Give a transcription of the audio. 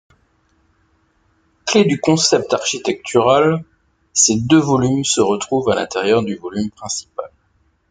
Clé du concept architectural, ces deux volumes se retrouvent à l'intérieur du volume principal.